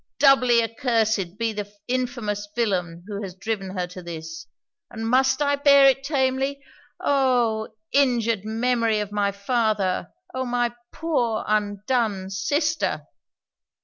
doubly accursed be the infamous villain who has driven her to this! And must I bear it tamely! Oh! injured memory of my father! oh! my poor, undone sister!'